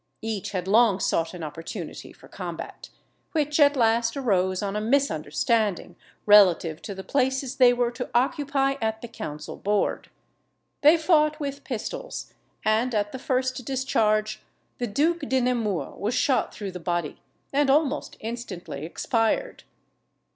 Each had long sought an opportunity for combat, which at last arose on a misunderstanding relative to the places they were to occupy at the council board. They fought with pistols, and, at the first discharge, the Duke de Nemours was shot through the body, and almost instantly expired.